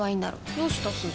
どうしたすず？